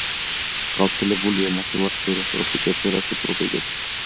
გავრცელებულია ნახევარსფეროს ტროპიკებსა და სუბტროპიკებში.